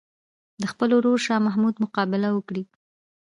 د خپل ورور شاه محمود مقابله وکړي.